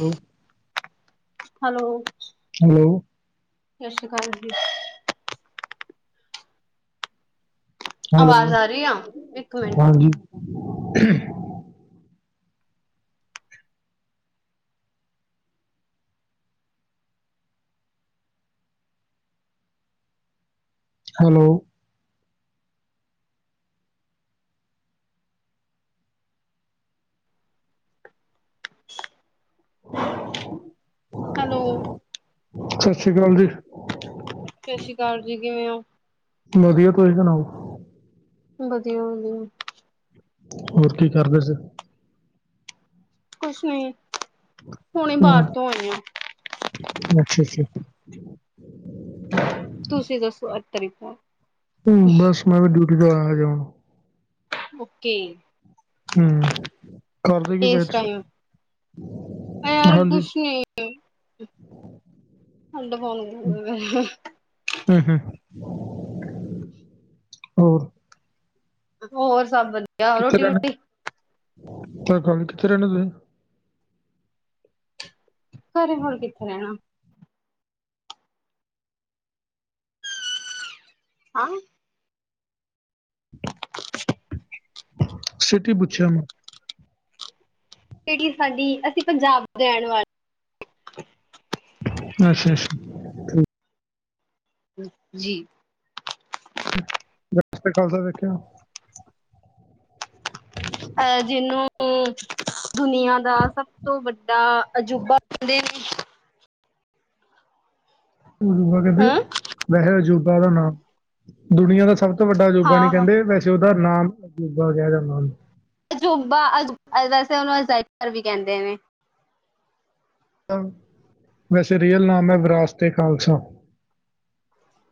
Hello. Hello, ਸਤਿ ਸ੍ਰੀ ਅਕਾਲ ਜੀ। ਹੈਲੋ ਆਵਾਜ਼ ਆ ਰਹੀ ਆ? ਇੱਕ ਮਿੰਟ। ਹਾਂਜੀ। ਹੈਲੋ। ਹੈਲੋ, ਸਤਿ ਸ੍ਰੀ ਅਕਾਲ ਜੀ। ਸਤਿ ਸ੍ਰੀ ਅਕਾਲ ਜੀ ਕਿਵੇਂ ਹੋ? ਵਧੀਆ ਤੁਸੀ ਸੁਣਾਓ। ਵਧੀਆ ਵਧੀਆ। ਹੋਰ ਕੀ ਕਰਦੇ ਸੀ। ਕੁਛ ਨੀ। ਹੁਣੇ ਬਾਹਰ ਤੋਂ ਆਈ ਆ। ਹਮ ਅੱਛਾ ਅੱਛਾ। ਤੁੂੰਸੀਂ ਦੱਸੋ ਅਤਰ ਹਮ ਬੱਸ ਮੈਂ ਵੀ ਡਿਊਟੀ ਤੋਂ ਆਯਾ ਹਜੇ ਹੁਣ । ਓਕੇ। ਹਮ। ਕਰਦੇ ਕੀ ਪਏ ਇਸ ਤੁਸੀ ਟਾਈਮ ਯਾਰ ਹਾਂਜੀ। ਕੁਛ ਹੇਡ ਫੋਣ [inaudible] ਹੂੰ-ਹੂੰ, ਹੋਰ। ਹੋਰ ਸਭ ਵਧੀਆ ਕਿੱਥੇ ਰੋਟੀ ਰਹਿੰਦੇ? ਰੂਟੀ ਤਾਂ ਗੱਲ ਕਿਥੇ ਰਹਿਣੇ ਤੁਸੀ। ਘਰੇ ਹੋੁਰ ਕਿੱਥੇ ਰਹਿਣਾ ਹੈਂ [inaudible] ਸਟੀ ਪੁੱਛਿਆ ਮੈਂ ਜਿਹੜੀ ਸਾਡੀ ਅਸੀਂ ਪੰਜਾਬ ਰਹਿਣ ਵਾਲੇ ਅੱਛਾ ਅੱਛਾ ਜੀ ਜਾਸਤੇ [unintelligible] ਖਾਲਸਾ ਦੇੇਖਿਆ ਅਹ ਜਿਹਨੂੰ ਦੁਨੀਆਂ ਦਾ ਸਭ ਤੋਂ ਵੱਡਾ ਅਜੂਬਾਦੇ ਜੂ ਕਹਿੰਦੇ ਹਾਂ, ਵੈਸ ਅਜੂਬ ਦਾ ਨਾਮ ਦੁਨੀਆਂ ਦਾ ਸਭ ਤੋਂ ਵੱਡਾ ਅੂਬਾ ਨੀ ਹਾਂ-ਹਾਂ। ਕਹਿੰਦੇ ਵੈਸੇ ਉਹਦਾ ਨਾਮ ਅਜੂਬਾ ਹੋ ਗਿਆ ਜਾਂ ਨ ਅਜੂਬਾ ਵੈਸੇ ਉਹਨੂੰ ਅ ਵੀ ਕਹਿੰਦੇ ਨੇ ਵੈਸੇ ਰੀਅਲ ਨਾਮ ਹੈ ਵਿਰਾਸਤ ਖਾਲਸਾ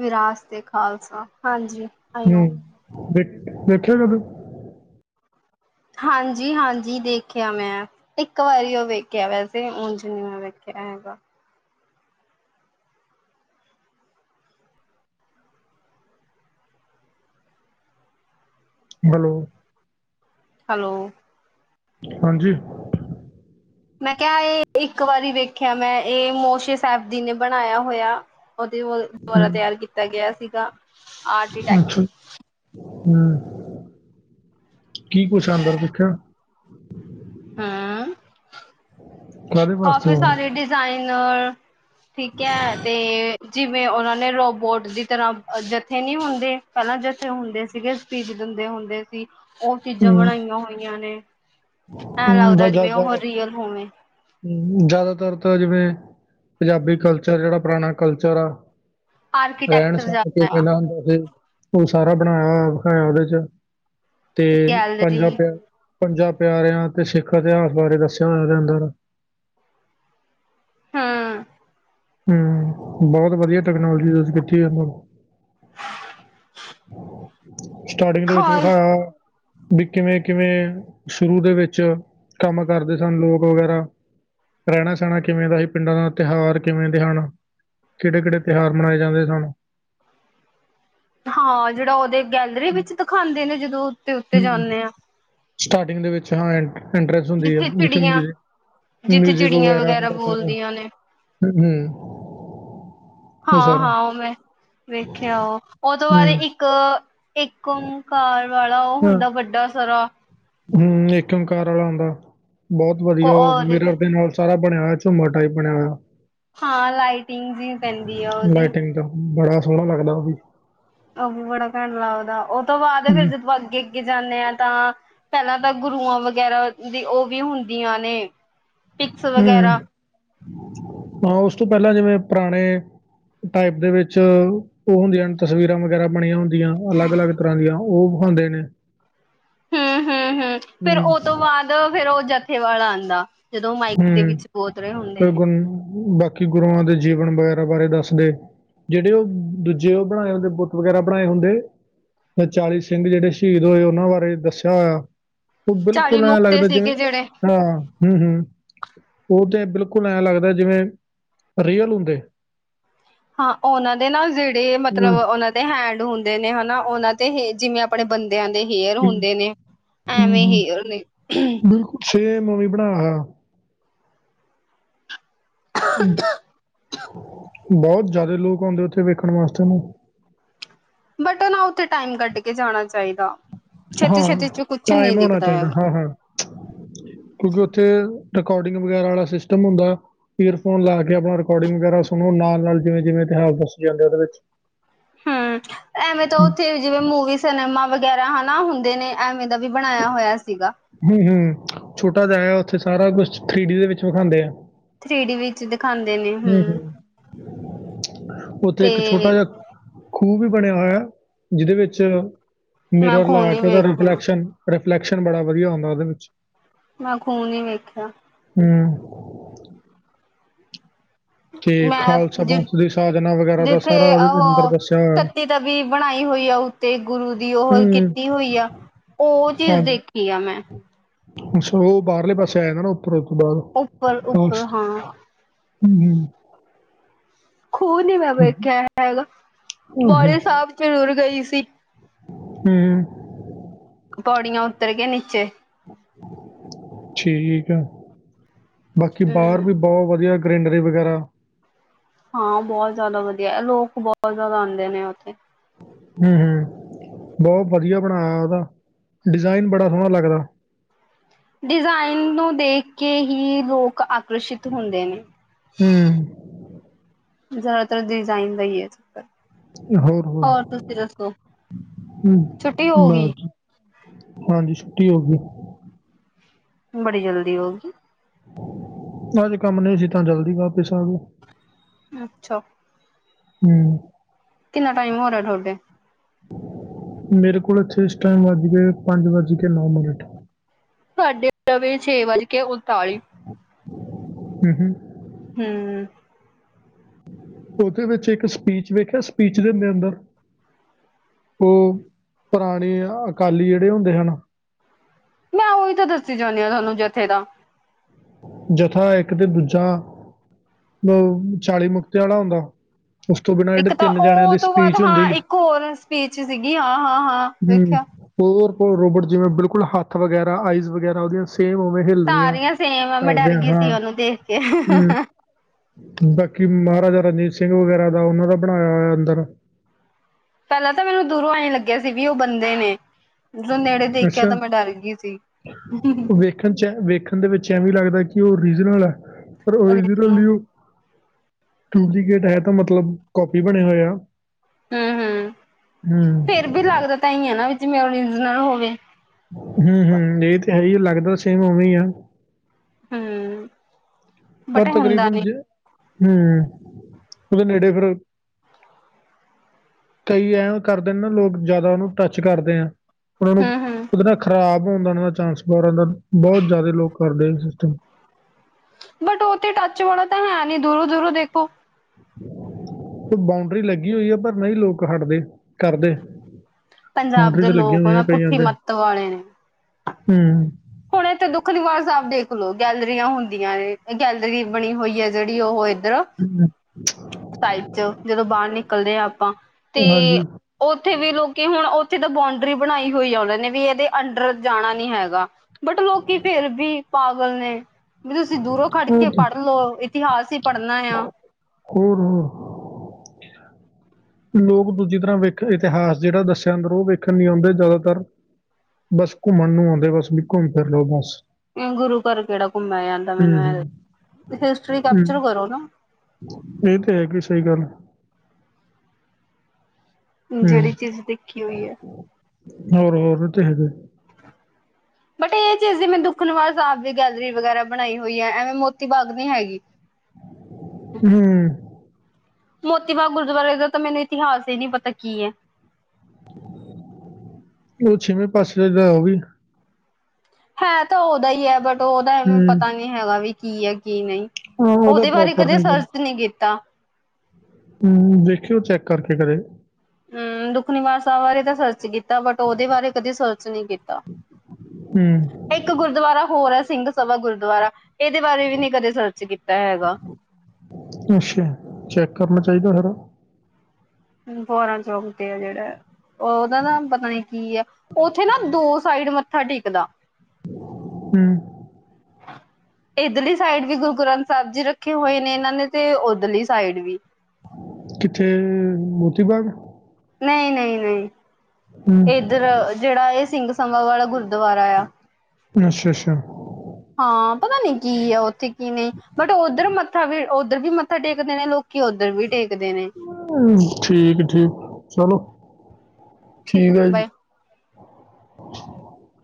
ਵਿਰਾਸਤ ਖਾਲਸਾ ਹਾਂਜੀ ਆਈਓ। ਹਮ ਦੇਖ ਦੇੇਖਿਆ ਕਦੋਂ ਹਾਂਜੀ ਹਾਂਜੀ ਦੇਖਿਆ ਮੈਂ ਇੱਕ ਵਾਰੀ ਉਹ ਵੇਖਿਆ ਵੈਸੇ ਉਂਝ ਨੀ ਮੈਂ ਵੇਖਿਆ ਆਹਗਾ ਹੈਲੋ ਹੈਲੋ ਹਾਂਜੀ ਮੈਂ ਕਿਹਾ ਇਹ ਇੱਕ ਵਾਰੀ ਵੇਖਿਆ ਮੈਂ ਇਹ ਮੋਸ਼ੇ ਸਾਹਿਬ ਜ ਨੇ ਬਣਾਇਆ ਹੋਇਆ ਉਹਦੇ ਦੁਆਰਾ ਤਿਆਰ ਕੀਤਾ ਗਿਆ ਸੀਗਾ ਆਰਟੀਟੈਕਟ ਹਮ ਕੀ ਕੁੱਛ ਆਉਂਦਰ ਦੇਖਿਆ ਹੂੰ। ਕਾਦੇ ਵਾਸਤੇ ਕਾਫੀ ਉਹ ਸਾਰੇ ਡਿਜ਼ਾਇਨ ਠੀਕ ਹੈ ਤੇ ਜਿਵੇਂ ਉਹਨਾਂ ਨੇ ਰੋਬੋਟ ਦੀ ਤਰ੍ਹਾਂ ਜਥੇ ਨਹੀਂ ਹੁੰਦੇ ਪਹਿਲਾਂ ਜਥੇ ਹੁੰਦੇ ਸੀਗੇ ਸਪੀ ਜ ਹਦੇ ਹੁੰਦੇ ਸੀ ਉਹ ਚੀਜ਼ਾਂ ਬਣਾਈਆਂ ਹੋਈਆਂ ਨੇ ਐਂ ਹਮ ਲੱਗਦਾ ਬਜ਼ ਜਿਵੇਂ ਉਹ ਰੀਅਲ ਹੋਵੇ ਜ਼ਿਆਦਾਤਰ ਤਾਂ ਜਿਵੇਂ ਪੰਜਾਬੀ ਕਲਚਰ ਜਿਹੜਾ ਪੁਰਾਣਾ ਕਲਚਰ ਆ ਰਹਿਣ ਆਰਕੀਟੈਕਚਰ ਸਹਿਣ ਕੇ ਜ਼ਿਆਦਾ ਆ ਦੇਣਾ ਹੁੰਦਾ ਸੀ ਉਹ ਸਾਰਾ ਬਣਾਇਆ ਵਿਖਾਇਆ ਉਹਦੇ ਚ ਤੇ ਪੰਜ ਰ ਗੈਲਰੀ ਪਿਆ ਪੰਜਾਂ ਪਿਆਰਿਆਂ ਤੇ ਸਿੱਖ ਇਤਿਹਾਸ ਬਾਰੇ ਦੱਸਿਆ ਹੋਇਆ ਅੰਦਰ ਹਾਂ- ਹਮ ਬਹੁਤ ਵਧੀਆ ਟੈਕਨੋਲੋਜੀ ਤੁਸੀਂ ਕਿਥੇ ਉਹਨਾਂ ਸਟਾਰਟਿੰਗ ਦੇ ਵਿੱਚ ਖਾਲ ਵਿਖਾਇਆ ਵੀ ਕਿਵੇਂ ਕਿਵੇਂ ਸ਼ੁਰੂ ਦੇ ਵਿੱਚ ਕੰਮ ਕਰਦੇ ਸਨ ਲੋਕ ਵਗੈਰਾ ਰਹਿਣਾ ਸਹਿਣਾ ਕਿਵੇਂ ਦਾ ਸੀ ਪਿੰਡਾਂ ਦਾ ਤਿਉਹਾਰ ਕਿਵੇਂ ਦੇ ਹਨ ਕਿਹੜੇ ਕਿਹੜੇ ਤਿਉਹਾਰ ਮਨਾਏ ਜਾਂਦੇ ਸਨ ਹਾਂ ਜਿਹੜਾ ਉਹਦੇ ਗੈਲਰੀ ਵਿੱਚ ਦਿਖਾਉਂਦੇ ਨੇ ਜਦੋਂ ਉਤੇ ਉੱਤੇ ਜਾਂਦੇ ਆ ਸਟਾਰਟਿੰਗ ਦੇ ਵਿੱਚ ਹਾਂ ਇਟਰਸਟ ਹੁੰਦੀ ਆ ਜਿੱਥੇ ਜਿੱਥੇ ਮਿਊਜਿਕ ਚਿੜੀਆਂ ਵਗੈਰਾ ਹੁੰਦਾ ਸਾਰਾ ਬੋਲਦੀਆਂ ਨੇ ਹਮ-ਹਮ ਹਾਂ-ਹਾਂ ਉਹ ਮੈਂ ਵੇਖਿਆ ਉਹ ਉਹ ਤੋਂ ਬਾਅਦ ਹੂੰ ਇੱਕ ਇੱਕ ਕਾਰ ਵਾਲਾ ਉਹ ਹੁੰਦਾ ਵੱਡਾ ਸਾਰਾ ਹਮ ੲਕਮਕਾਰ ਵਾਲਾ ਹੁੰਦਾ ਬਹੁਤ ਕੋ ਵਧੀਆ ਉਹ ਉਹਦੇ ਤੇ ਮਿਰਰ ਦੇ ਨਾਲ ਬਣਿਆ ਹੋਇਆ ਚੁਮਾਰ ਟਾਈਪ ਬੰਨ੍ਹਿਆ ਹੋਇਆ ਹਾਂ ਲਾਈਟਿੰਗ ਜ ਪੈਂਦੀ ਆ ਉਹਦੀ ਲਾਈਟਿੰਗ ਦਾ ਬੜਾ ਸੋਹਣਾ ਲੱਗਦਾ ਉਹ ਵੀ ਉਹ ਵੀ ਬੜਾ ਘੈਂਟ ਲੱਗਦਾ ਉਹ ਤੋਂ ਬਾਅਦ ਫਿਰ ਹੂੰ ਜ ਅੱਗੇ ਅੱਗੇ ਜਾਂਦੇ ਹਾਂ ਤਾਂ ਪਹਿਲਾਂ ਤਾਂ ਗੁਰੂਆਂ ਵਗੈਰਾ ਦੀ ਉਹ ਵੀ ਹੁੰਦੀਆਂ ਨੇ ਪਿਕਸ ਹਮ ਵਗੈਰਾ ਹਾਂ ਉਸ ਤੋਂ ਪਹਿਲਾਂ ਜਿਵੇਂ ਪੁਰਾਣੇ ਟਾਈਪ ਦੇ ਵਿੱਚ ਉਹ ਹੁੰਦੀਆਂ ਨੇ ਤਸਵੀਰਾਂ ਵਗੈਰਾ ਬਣੀਆਂ ਹੁੰਦੀਆਂ। ਅਲੱਗ -ਅਲੱਗ ਤਰ੍ਹਾਂ ਦੀਆਂ ਉਹ ਹੁੰਦੇ ਨੇ। ਹਮ-ਹਮ -ਹਮ ਫਿਰ ਉਹ ਹੂੰ ਤੋਂ ਬਾਅਦ ਫਿਰ ਉਹ ਜੱਥੇ ਵਾਲਾ ਆਉਂਦਾ। ਜਦੋਂ ਮਾਈਕ ਦੇ ਹੂੰ ਵਿੱਚ ਗੋਤ ਰੇਹੇ ਹੁੰਦੇ ਨੇ ਕੀ ਗੁਰੂਆਂ ਦੇ ਜੀਵਨ ਵਗੈਰਾ ਬਾਰੇ ਦੱਸਦੇ। ਜਿਹੜੇ ਉਹ ਦੂਜੇ ਉਹ ਬਣਾਏ ਹੁੰਦੇ ਬੁੱਤ ਵਗੈਰਾ ਬਣਾਏ ਹੁੰਦੇ। ਚਾਲੀ ਸਿੰਘ ਜਿਹੜੇ ਸ਼ਹੀਦ ਹੋਏ ਉਹਨਾਂ ਬਾਰੇ ਦੱਸਿਆ ਹੋਇਆ। ਉਹ ਚਾਲੀ ਬਿਲਕੁਲ ਐਂ ਮੁਕਤੇ ਲੱਗਦਾ ਜਿਵੇਂ ਸੀਗੇ ਜਿਹੜੇ ਹਾਂ, ਹਮ- ਹਮ ਉਹ ਤਾਂ ਬਿਲਕੁਲ ਐਂ ਲੱਗਦਾ ਜਿਵੇਂ, ਰੀਅਲ ਹੁੰਦੇ। ਹਾਂ, ਉਹਨਾਂ ਦੇ ਨਾਲ ਜਿਹੜੇ ਹੂੰ ਮਤਲਬ ਉਹਨਾਂ ਦੇ ਹੈਂਡ ਹੁੰਦੇ ਨੇ ਹਨਾ। ਉਹਨਾਂ ਤੇ ਜਿਵੇਂ ਆਪਣੇ ਬੰਦੇ ਬੰਦਿਆਂ ਦੇ ਹੇਅਰ ਹੂੰ, ਹੁੰਦੇ ਨੇ ਹੂੰ, ਐਵੇਂ ਹੇਅਰ ਨੇ ਮੰਮੀ ਬਣਾ ਬਹੁਤ ਜ਼ਿਆਦਾ ਲੋਕ ਆਉਂਦੇ ਉੱਥੇ ਵੇਖਣ ਵਾਸਤੇ ਨਾ। ਬਟ ਉਹ ਨਾ ਉੱਥੇ ਟਾਈਮ ਕੱਢ ਕੇ ਜਾਣਾ ਚਾਹੀਦਾ। ਛੇਤੀ ਹਾਂ। ਛੇਤੀ ਚ ਕੁਛ ਨੀ ਟਾਈਮ ਹੋਣਾ ਦਿਖਦਾ ਚਾਹੀਦਾ। ਹੈਗਾ ਹਾਂ-ਹਾਂ ਕਿਉਂਕਿ ਉੱਥੇ ਰਿਕਕਾਰਡਿੰਗ ਵਗੈਰਾ ਵਾਲਾ ਸਿਸਟਮ ਹੁੰਦਾ। ਈਅਰਫੋਨ ਲਾ ਕੇ ਆਪਣਾ ਰਿਕਕਾਰਡਿੰਗ ਵਗੈਰਾ ਸੁਣੋ ਨਾਲ -ਨਾਲ ਜਿਵੇਂ- ਜਿਵੇਂ ਹਾਂ। ਦੱਸ ਜਾਂਦੇ ਆ ਉਹਦੇ ਵਿੱਚ ਹਮ, ਐਵੇਂ ਤਾਂ ਉੱਥੇ ਜਿਵੇ ਮੁਵੀ ਸਿਨੇਮਾ ਵਗੈਰਾ ਹਨਾ ਹੁੰਦੇ ਨੇ ਐਵੇਂ ਦਾ ਵੀ ਬਣਾਇਆ ਹੋਇਆ ਸੀਗਾ। ਹਮ- ਹਮ ਛੋਟਾ ਜਿਹਾ ਉੱਥੇ ਸਾਰਾ ਕੁਛ ਥ੍ਰੀ ਡੀ ਦੇ ਵਿੱਚ ਵਿਖਾਉਂਦੇ ਆ। ਥ੍ਰੀ ਡੀ ਵਿੱਚ ਦਿਖਾਉਂਦੇ ਨੇ। ਹੂੰ ਹੂੰ ਹਮ ਉੱਥੇ ਇੱਕ ਛੋਟਾ ਜਿਹਾ ਖੂਹ ਵੀ ਬਣਿਆ ਹੋਇਆ ।ਜਿਹਦੇ ਵਿੱਚ ਮੈਂ ਮਿਰਰ ਖੂਨ ਲਾ ਈ ਕੇ ਉਹਦਾ ਵੇਖਿਆ ਰਿਫਲੈਕਸ਼ਨ, ਰਿਫਲੈਕਸ਼ਨ ਬੜਾ ਵਧੀਆ ਆਉਂਦਾ। ਉਹਦੇ ਵਿੱਚ ਮੈਂ ਖ਼ੂਹ ਨੀ ਵੇਖਿਆ। ਹ [inaudible] ਮੈਂ ਜਿ ਪੰਥ ਦੀ ਸਾਜਨਾ ਵਗੈਰਾ ਦਾ ਜਿੱਥੇ ਸਾਰਾ ਉਹਦੇ ਅੰਦਰ ਉਹ ਦੱਸਿਆ ਹੋਇਆ ਤਤੀ ਤਵੀ ਬਣਾਈ। ਹੋਈ ਆ ਉੱਤੇ ਗੁਰੂ ਦੀ ਉਹੋ ਹੂੰ ਕੀਤੀ ਹੋਈ ਆ। ਉਹ ਚੀਜ਼ ਦੇਖੀ ਆ ਮੈਂ ਅੱਛਾ। ਉਹ ਬਾਹਰਲੇ ਪਾਸੇ ਆਇ ਦਾ ਨਾ ਉੱਪਰੋਂ ਬਾਹਰ ਉੱਪਰ ਹਮ ਉੱਪਰ ਹਾਂ -ਹਮ। ਖੂਹ ਨੀ ਮੈਂ ਵੇਖਿਆ ਹੈਗਾ। ਬਉਲੀ ਸਾਹਿਬ ਜ਼ਰੂਰ ਗਈ ਸੀ। ਹਮ। ਪੌੜੀਆਂ ਉੱਤਰ ਕੇ ਨੀਚੇ ਠੀਕ ਆ। ਬਾਕੀ ਬਾਹਰ ਹਮ ਵੀ ਬਹੁਤ ਵਧੀਆ। ਗਰੀਨਰੀ ਵਗੈਰਾ ਹਾਂ ਬਹੁਤ ਜ਼ਿਆਦਾ ਵਧੀਆ। ਲੋਕ ਬਹੁਤ ਜ਼ਿਆਦਾ ਆਉਂਦੇ ਨੇ ਉੱਥੇ ਹਮ- ਹਮ । ਬਹੁਤ ਵਧੀਆ ਬਣਾਇਆ ਹੈਗਾ। ਡਿਜ਼ਾਇਨ ਬੜਾ ਸੋਹਣਾ ਲੱਗਦਾ। ਡਿਜ਼ਾਇਨ ਨੂੰ ਦੇਖ ਕੇ ਹੀ ਲੋਕ ਆ। ਆਕਰਸ਼ਿਤ ਹੁੰਦੇ ਨੇ। ਹੂੰ ਜ਼ਿਆਦਾਤਰ ਡਿਜ਼ਾਇਨ ਲਈਏ। ਹੋਰ ਤੁਸੀਂ ਦੱਸੋ ਛੁੱਟੀ ਹੂੰ ਹੋ ਗਈ। ਬਾਕੀ ਹਾਂਜੀ। ਛੁੱਟੀ ਹੋ ਗਈ। ਬੜੀ ਜਲਦੀ ਹੋਊਗੀ। ਅੱਜ ਕੰਮ ਨਹੀਂ ਸੀ ਤਾਂ ਜਲਦੀ ਵਾਪਿਸ ਆ ਗਏ। ਅੱਛਾ। ਹਮ । ਕਿੰਨਾ ਟਾਈਮ ਹੋ ਰਿਹਾ ਤੁਹਾਡੇ? ਮੇਰੇ ਕੋਲੋਂ ਐਥੇ ਟਾਈਮ ਵੱਜ ਗਏ ਪੰਜ ਵੱਜ ਕੇ ਨੌ ਮਿੰਟ। ਸਾਡੇ ਸਵੇ ਛੇ ਵੱਜ ਕੇ ਉਨਤਾਲੀ‌ ਮਿੰਟ। ਹਮ- ਹਮ । ਹੂੰ ਉਹਦੇ ਵਿੱਚ ਇੱਕ ਸਪੀਚ ਵੇਖਿਆ ਸਪੀਚ ਦੇ ਅੰਦਰ ਉਹ ਪੁਰਾਣੇ ਅਕਾਲੀ ਜਿਹੜੇ ਹੁੰਦੇ ਹਨ। ਮੈਂ ਉਹੀ ਤਾਂ ਦੱਸੀ ਜਾਂਦੀ ਹਾਂ ਤੁਹਾਨੂੰ ਜਥੇ ਦਾ। ਜਥਾ ਇੱਕ ਤੇ ਦੂਜਾ ਅ ਚਾਲੀ ਮੁਕਤਿਆਂ ਵਾਲਾ ਹੁੰਦਾ ਹੈ। ਇੱਕ ਤਾਂ ਉਹ ਉਹ ਤੋਂ ਬਾਅਦ ਹਾਂ ਇੱਕ ਹੋਰ ਸਪੀਚ ਸੀਗੀ ਹਾਂ ਹਾਂ ਹਾਂ ਵੇਖਿਆ। ਹੋਰ ਕੋ ਰੋਬਟ ਜਿਵੇਂ ਬਿਲਕੁਲ ਹੱਥ ਵਗੈਰਾ ਆਈਜ਼ ਵਗੈਰਾ ਉਹਦੀਆਂ ਸੇਮ ਉਵੇਂ ਹਿੱਲਦੀਆਂ। ਮੈ ਕਰਦੇ ਡਰ ਆ, ਗਈ ਸੀ ਹਾਂ ਉਹਨੂੰ ਦੇਖ ਕੇ। ਹਮ, ਬਾਕੀ ਮਹਾਰਾਜਾ ਰਣਜੀਤ ਸਿੰਘ ਵਗੈਰਾ ਦਾ ਉਹਨਾਂ ਦਾ ਬਣਾਇਆ ਹੋਇਆ ਅੰਦਰ। ਪਹਿਲਾਂ ਤਾਂ ਮੈਨੂੰ ਦੂਰੋਂ ਆਂ ਲੱਗਿਆ ਸੀ ਵੀ ਉਹ ਬੰਦੇ ਨੇ। ਜਦੋਂ ਨੇੜੇ ਦੇਖਿਆ ਅੱਛਾ ਤਾਂ ਮੈਂ ਡਰ ਗਈ ਸੀ। ਵੇਖਣ ਚ ਵੇਖਣ ਦੇ ਵਿੱਚ ਐਵੇਂ ਲੱਗਦਾ ਕਿ ਉਹ ਓਰੀਜਨਲ ਹੈ ਪਰ ਉਹ ਓਰੀਜਨਲ ਹੂੰ ਨਹੀ ਡੁਪਲੀਕੇਟ ਹੈ ਤਾਂ ਮਤਲਬ ਕੋਪੀ ਬਣੇ ਹੋਏ ਆ। ਹੂੰ ਹੂੰ ਹਮ ਫੇਰ ਵੀ ਲੱਗਦਾ ਤਾਂ ਹੀ ਆ ਜਿਵੇਂ ੳਰਿਜਨਲ ਹੋਵੇ। ਹੂੰ ਹੂੰ ਇਹ ਤੇ ਹੈ ਹੀ ਲੱਗਦਾ ਸੇਮ ਉਵੇਂ ਆ। ਹੂੰ ਬਟ ਪਰ ਹੁੰਦਾ ਤਕਰੀਬਨ ਨੀ ਜੇ ਹੂੰ ਉਹਦੇ ਨੇੜੇ ਫਿਰ। ਕਈ ਐਵੇ ਕਰਦੇ ਨੇ ਨਾ ਲੋਕ ਜ਼ਿਆਦਾ ਉਹਨੂੰ ਟੱਚ ਕਰਦੇ ਆ। ਉਹਨਾਂ ਨੂੰ ਹੂੰ ਹੂੰ ਉਹਦੇ ਨਾ ਖ਼ਰਾਬ ਉਦਾ ਚਾਂਸ ਬਾਂਹਰ ਦਾ ਬਹੁਤ ਜ਼ਿਆਦਾ ਲੋਕ ਕਰਦੇ ਸਿਸਟਮ ਬਟ ਉਹ ਤੇ ਟੱਚ ਵਾਲਾ ਤਾਂ ਹੈ ਨਹੀ ਦੂਰੋਂ ਦੂਰੋਂ ਦੇਖੋ। ਬਾਊਂਡਰੀ ਲੱਗੀ ਹੋਈ ਆ ਪਰ ਨਹੀਂ ਲੋਕ ਹਟਦੇ ਕਰਦੇ। ਪੰਜਾਬ ਬਾਉਂਡਰੀ ਦੇ 'ਚ ਲੱਗੀਆਂ ਲੋਕ ਉਹ ਹੋਈਆਂ ਕਈਆਂ ਪੁੱਠੀ ਦੇ ਮੱਤ ਵਾਲੇ ਨੇ। ਹੂੰ ਹੁਣ ਇਥੇ ਦੁੱਖ ਨਿਵਾਰਨ ਸਾਹਿਬ ਦੇਖ ਲੋ ਗੈਲਰੀਆਂ ਹੁੰਦੀਆਂ ਨੇ ਗੈਲਰੀ ਬਣੀ ਹੋਈ ਹੈ ਜਿਹੜੀ ਉਹ ਇਧਰ ਸਾਈਡ ਚ ਜਦੋਂ ਬਾਹਰ ਨਿਕਲਦੇ ਹਾਂ ਆਪਾਂ। ਤੇ ਹਾਂਜੀ ਉੱਥੇ ਵੀ ਲੋਕੀ ਹੁਣ ਜਦ ਬਾਂਡਰੀ ਬਣਾਈ ਹੋਈ ਆ ਉਹਦੇ ਨੇ ਵੀ ਇਹਦੇ ਅੰਡਰ ਜਾਣਾ ਨੀ ਹੈਗਾ ਬਟ ਲੋਕੀ ਫੇਰ ਵੀ ਪਾਗਲ ਨੇ ਵੀ ਤੁਸੀਂ ਦੂਰੋਂ ਖੜ ਹੋਰ ਕੇ ਤਾਂ- ਪੜ੍ਹ ਲਓ ਇਤਿਹਾਸ ਹੀ ਪੜ੍ਹਨਾ ਆ। ਹੂੰ ਲੋਕ ਦੂਜੀ ਤਰ੍ਹਾਂ ਵੇਖ ਇਤਿਹਾਸ ਜਿਹੜਾ ਦੱਸਿਆ ਅੰਦਰ ਉਹ ਵੇਖਣ ਨੀ ਆਦੇ ਜ਼ਿਆਦਾਤਰ। ਬਸ ਘੁੰਮਣ ਨੂੰ ਆਦੇ ਬਸ ਵੀ ਘੁੰਮ ਫਿਰ ਲੋਓ ਬਸ। ਗੁਰੂ ਘਰ ਕਿਹੜਾ ਘੁੰਮਿਆ ਜਾਂਦਾ ਹੂੰ ਮੈਨੂੰ ਐ। ਹੂੰ ਹਿਸਟਰੀ ਕੈਪਚਰ ਹੂੰ। ਕਰੋ ਨਾ। ਇਹ ਤੇ ਹੈਗੀ ਸਹੀ ਗੱਲ। ਹੂੰ ਜਿਹੜੀ ਚੀਜ਼ ਦੇਖੀ ਹੋਈ ਹੈ। ਹੋਰ, ਹੋਰ ਓ ਤੇ ਹੈਗੇ। ਬਟ ਇਹ ਚੀਜ਼ ਜਿਵੇ ਦੁੱਖ ਨਿਵਾਰਨ ਸਾਹਿਬ ਦੀ ਗੈਲਰੀ ਵਗੈਰਾ ਬਣਾਈ ਹੋਈ ਹੈ, ਐਵੇਂ ਮੋਤੀ ਬਾਗ ਨਹੀਂ ਹੈਗੀ। ਹੂੰ ਮੋਤੀ ਬਾਗ ਗੁਰਦੁਆਰੇ ਤਾਂ ਮੈਨੂੰ ਇਤਿਹਾਸ ਹੀ ਨੀ ਪਤਾ ਕੀ ਹੈ। ਉਹ ਛੇਵੇਂ ਪਾਤਸ਼ਾਹ ਜੀ ਦਾ ਉਹ ਵੀ ਹੈ ਤਾਂ ਉਹਦਾ ਹੀ ਹੈ, ਬਟ ਉਹਦਾਵੇਂ ਹੂੰ ਪਤਾ ਨੀ ਹੈਗਾ ਵੀ ਕੀ ਹੈ। ਕੀ ਨਹੀਂ ਹਾਂ ਉਹਦਾ ਉਹਦੇ ਬਾਰੇ ਪ੍ਰੋਪਰ ਕਦੇ ਚੱਲ ਸਰਚ ਨਹੀਂ ਕੀਤਾ। ਹੂੰ ਦੇਖਿਓ ਚੈੱਕ ਕਰਕੇ ਕਦੇ। ਹੂੰ ਦੁੱਖ ਨਿਵਾਰਨ ਸਾਹਿਬ ਬਾਰੇ ਤਾਂ ਸਰਚ ਕੀਤਾ ਬਟ ਉਹਦੇ ਬਾਰੇ ਕਦੇ ਸਰਚ ਨਹੀਂ ਕੀਤਾ। [inaudible] ਇੱਕ ਗੁਰਦੁਆਰਾ ਹੋਰ, ਹੈ ਸਿੰਘ ਸਭਾ ਗੁਰਦੁਆਰਾ। ਇਹਦੇ ਬਾਰੇ ਵੀ ਨਹੀਂ ਕਦੇ ਸਰਚ ਕੀਤਾ ਹੈਗਾ। ਅੱਛਾ ਚੈੱਕ ਕਰਨਾ ਚਾਹੀਦਾ ਹੈਗਾ। ਬਾਰਾਂ ਚੌਕ ਤੇ ਆ ਜਿਹੜਾ ਉਹਦਾ ਦਾ ਪਤਾ ਨੀ ਕੀ ਹੈ, ਉੱਥੇ ਨਾ ਦੋ ਸਾਈਡ ਮੱਥਾ ਟੇਕਦਾ। ਹਮ। ਇੱਧਲੀ ਸਾਈਡ ਵੀ ਗੁਰੂ ਗ੍ਰੰਥ ਸਾਹਿਬ ਜੀ ਰੱਖੇ ਹੋਏ ਨੇ, ਇਹਨਾਂ ਨੇ ਤੇ ਉ ਓਧਲੀ ਸਾਈਡ ਵੀ। ਕਿੱਥੇ ਮੋਤੀ ਬਾਗ। ਨਹੀਂ, ਨਹੀਂ, ਹੂੰ ਨਹੀਂ ਇੱਧਰ ਜਿਹੜਾ ਇਹ ਸਿੰਘ ਸਬਾ ਵਾਲਾ ਗੁਰਦੁਆਰਾ ਆ। ਅੱਛਾ, ਅੱਛਾ। ਹਾਂ ਪਤਾ ਨੀ ਕੀ ਆ ਉੱਥੇ ਕੀ ਨਹੀਂ ਬਟ ਉੱਧਰ ਮੱਥਾ ਵੀ ਉੱਧਰ ਵੀ ਮੱਥਾ ਟੇਕਦੇ ਨੇ ਲੋਕ। ਕਿ ਉੱਧਰ ਵੀ ਟੇਕਦੇ ਨੇ। ਹੂੰ, ਠੀਕ ਠੀਕ ਚਲੋ ਠੀਕ ਆ ਹੈ ਜੀ ਬਾਏ। [unintelligible]